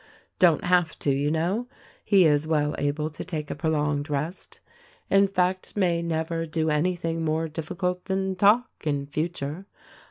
Don't have to, you know ! He is well able to take a prolonged rest. In fact, may never do anything more difficult than talk, in future.